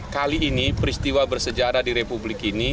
kali ini peristiwa bersejarah di republik ini